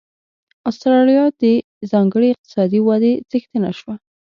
اسټرالیا د ځانګړې اقتصادي ودې څښتنه شوه.